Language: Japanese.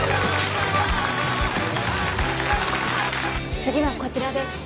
次はこちらです。